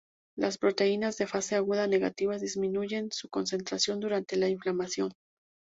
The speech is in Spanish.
Las proteínas de fase aguda negativas disminuyen su concentración durante la inflamación.